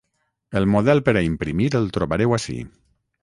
El model per a imprimir el trobareu ací.